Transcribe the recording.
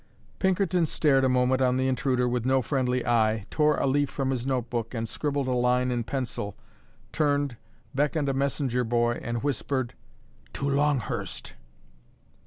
Pinkerton stared a moment on the intruder with no friendly eye, tore a leaf from his note book, and scribbled a line in pencil, turned, beckoned a messenger boy, and whispered, "To Longhurst."